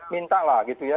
minta lah gitu ya